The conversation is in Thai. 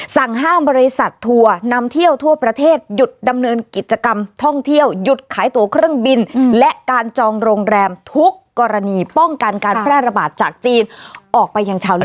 สั่งห้ามบริษัททัวร์นำเที่ยวทั่วประเทศหยุดดำเนินกิจกรรมท่องเที่ยวหยุดขายตัวเครื่องบินและการจองโรงแรมทุกกรณีป้องกันการแพร่ระบาดจากจีนออกไปยังชาวเน